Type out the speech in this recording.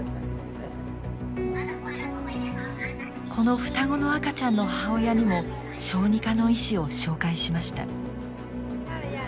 この双子の赤ちゃんの母親にも小児科の医師を紹介しました。